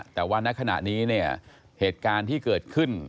แต่ว่าณขณะนี้เนี่ยเหตุการณ์ที่เกิดขึ้น